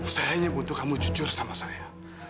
saya hanya butuh kamu jujur sama saya